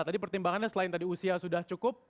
tadi pertimbangannya selain tadi usia sudah cukup